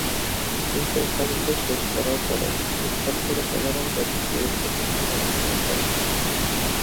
এই প্রোগ্রামগুলি শেষ করার পরে, শিক্ষার্থীরা সাধারণত একটি পিএইচডি প্রোগ্রাম অনুসরণ করে।